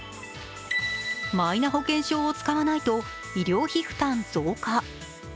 マイナ保険証を使わないと医療費負担増加。